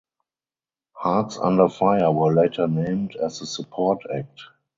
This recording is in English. Hearts Under Fire were later named as the support act.